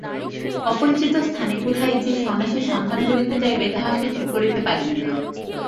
অপরিচিত স্থানে কোথায় যে সন্ন্যাসীর সন্ধান করিতে যাইবে তাহা সে ঠিক করিতে পারিল না।